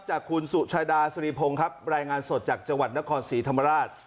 จากคุณสุชาดาสุริพงศ์ครับรายงานสดจากจังหวัดนครศรีธรรมราช